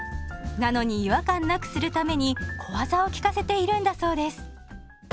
なのに違和感なくするために小技を利かせているんだそうです。